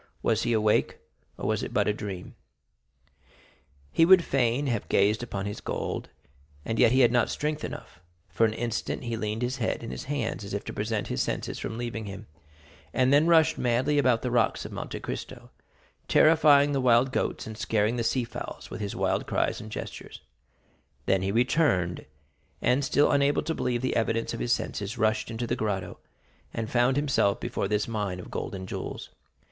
Was he awake, or was it but a dream? Was it a transient vision, or was he face to face with reality? He would fain have gazed upon his gold, and yet he had not strength enough; for an instant he leaned his head in his hands as if to prevent his senses from leaving him, and then rushed madly about the rocks of Monte Cristo, terrifying the wild goats and scaring the sea fowls with his wild cries and gestures; then he returned, and, still unable to believe the evidence of his senses, rushed into the grotto, and found himself before this mine of gold and jewels.